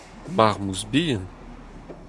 Marmouz bihan.